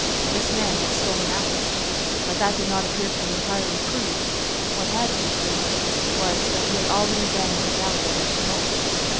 This man had stolen apples, but that did not appear to be entirely proved; what had been proved was, that he had already been in the galleys at Toulon.